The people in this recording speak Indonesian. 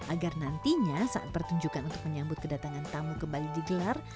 agar nantinya saat pertunjukan untuk menyambut kedatangan tamu kembali digelar